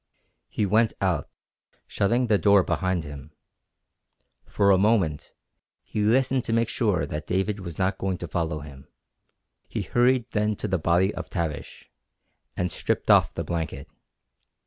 He went out, shutting the door behind him. For a moment he listened to make sure that David was not going to follow him. He hurried then to the body of Tavish, and stripped off the blanket.